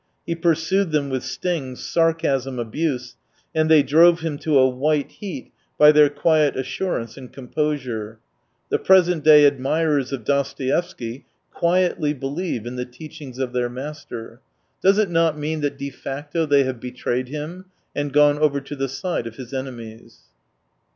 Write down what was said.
He pursued them with stings, sarcasm, abuse, and they drove him to a white heat by their quiet assurance and composure, ... The present day ad mirers of Dostoevsky quietly believe in the teachings of their master. Does it nxjt 120 mean that de facto they have betrayed him and gone over to the side of his enemies.